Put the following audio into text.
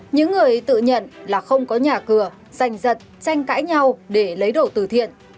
những người tự nhận là không có nhà cửa danh dật tranh cãi nhau để lấy đồ từ thiện